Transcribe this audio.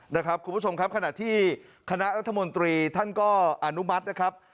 นะครับคุณผู้ชมครับขณะที่คณะรัฐมนตรีท่านก็อนุมัตินะครับ